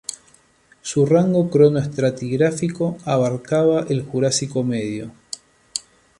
Su rango cronoestratigráfico abarcaba el Jurásico medio.